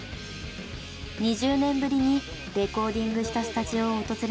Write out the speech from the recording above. ２０年ぶりにレコーディングしたスタジオを訪れました。